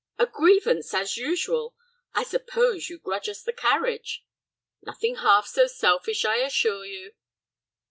"A grievance, as usual! I suppose you grudge us the carriage?" "Nothing half so selfish, I assure you."